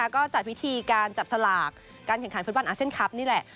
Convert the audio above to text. ก็จัดพิธีการจับสลากการแข่งขันฟุตบอลอาเซียนคลับนี่แหละ